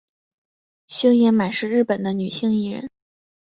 星野满是日本的女性艺人。